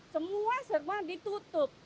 semua serba ditutup